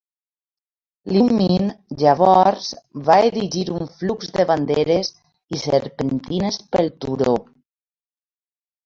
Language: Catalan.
Liu Min llavors va erigir un flux de banderes i serpentines pel turó.